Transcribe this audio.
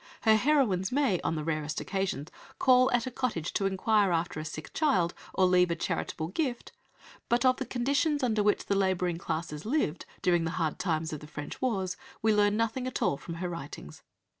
Her heroines may, on the rarest occasions, call at a cottage to inquire after a sick child or leave a charitable gift, but of the conditions under which the labouring classes lived, during the hard times of the French wars, we learn nothing at all from her writings.